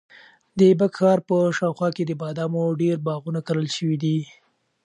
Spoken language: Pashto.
د ایبک ښار په شاوخوا کې د بادامو ډېر باغونه کرل شوي دي.